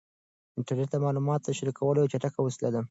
انټرنیټ د معلوماتو د شریکولو یوه چټکه وسیله ده.